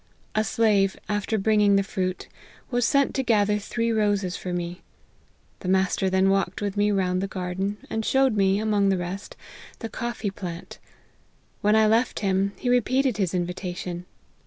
A slave, after bringing the fruit, was sent to gather three roses for me ; the master then walked with me round the garden, and showed me, among the rest, the coffee plant : when I left him he repeated his invitation.